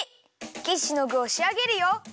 キッシュのぐをしあげるよ。